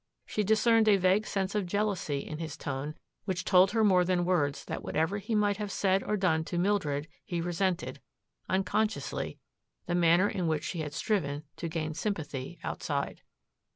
She discerned a vague sense of jealousy in his tone which told her more than words that whatever he might have said or done to Mildred he resented, unconsciously, the manner in which she had striven to gain sympathy outside.